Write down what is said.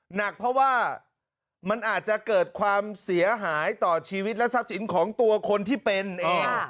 หนักเพราะว่ามันอาจจะเกิดความเสียหายต่อชีวิตและทรัพย์สินของตัวคนที่เป็นเอง